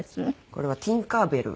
これはティンカー・ベル。